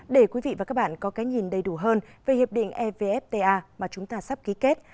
để quý vị và các bạn có cái nhìn đầy đủ hơn về hiệp định evfta mà chúng ta sắp ký kết